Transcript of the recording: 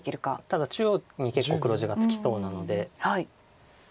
ただ中央に結構黒地がつきそうなので。